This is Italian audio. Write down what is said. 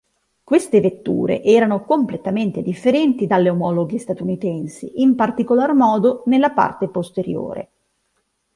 Queste vetture erano completamente differenti dalle omologhe statunitensi, in particolar modo nella parte posteriore.